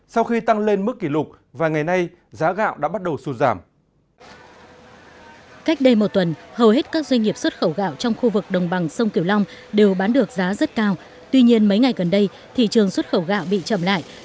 sau khi tăng lên mức kỷ lục và ngày nay giá gạo đã bắt đầu xuất giảm